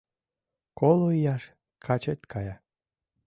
Коло ияш качет кая